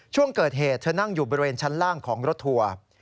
ช่วงเกิดเหตุเธอนั่งอยู่บริเวณชั้นล่างของรถทัวร์